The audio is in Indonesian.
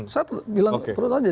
saya bilang terus aja